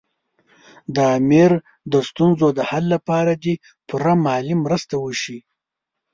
د امیر د ستونزو د حل لپاره دې پوره مالي مرستې وشي.